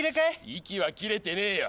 息は切れてねえよ